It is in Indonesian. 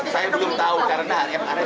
saya belum tahu karena mri belum bisa tahu